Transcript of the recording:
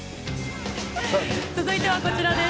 続いてはこちらです。